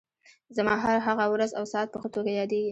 زما هغه ورځ او ساعت په ښه توګه یادېږي.